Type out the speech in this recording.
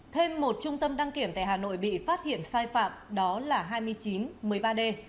thêm một trung tâm đăng kiểm tại hà nội bị phát hiện sai phạm đó là hai mươi chín một mươi ba d